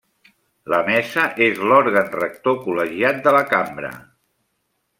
La Mesa és l'òrgan rector col·legiat de la cambra.